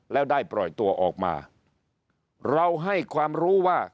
แล้วได้ปล่อยตัวออกมาเราให้ความรู้ว่า